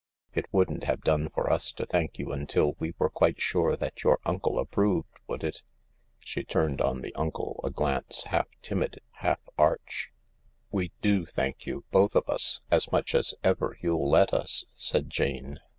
"It wouldn't have done for us to thank you until we were quite sure that your uncle approved, would it ?" she turned on the uncle a glance half timid, half arch. " We do thank you— both of you, as much as ever you'll let us," said Jane.